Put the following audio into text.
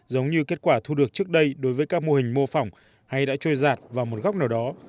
giống như kết quả thu được trước đây đối với các mô hình mô phỏng hay đã trôi giạt vào một góc nào đó